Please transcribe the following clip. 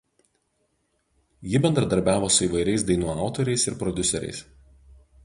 Ji bendradarbiavo su įvairiais dainų autoriais ir prodiuseriais.